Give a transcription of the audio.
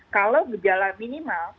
kalau gejala minimal